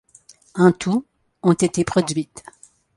En tout, ont été produites.